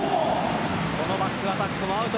このバックアタックはアウト。